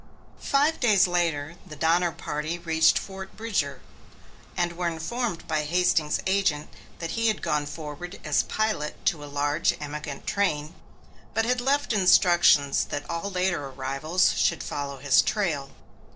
Five days later the Donner Party reached Fort Bridger, and were informed by Hastings's agent that he had gone forward as pilot to a large emigrant train, but had left instructions that all later arrivals should follow his trail.